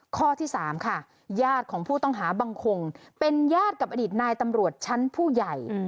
ข้อที่๓ค่ะญาติของผู้ต้องหาบังคงเป็นญาติกับอดีตนายตำรวจชั้นผู้ใหญ่